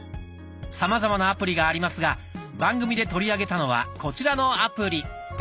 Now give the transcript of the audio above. さまざまなアプリがありますが番組で取り上げたのはこちらのアプリ。